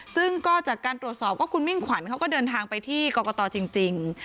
ซึ่งก็จากการตรวจสอบว่าคุณมิ่งขวัญเขาก็เดินทางไปที่กรกตจริง